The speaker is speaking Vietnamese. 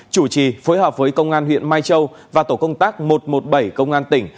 chủ trì phối hợp với công an huyện mai châu và tổ công tác một trăm một mươi bảy công an tỉnh